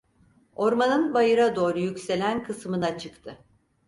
Ormanın bayıra doğru yükselen kısmına çıktı.